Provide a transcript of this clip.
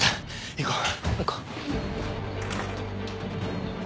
行こう。